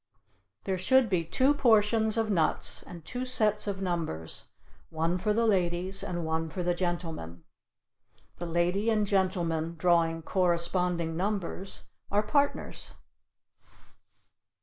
There should be two portions of nuts and two sets of numbers, one for the ladies and one for the gentlemen. The lady and gentleman drawing corresponding numbers are partners.